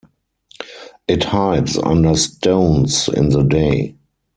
It hides under stones in the day.